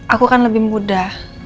aku kan lebih muda